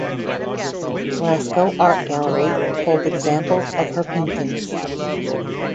Glasgow Art Gallery hold examples of her paintings.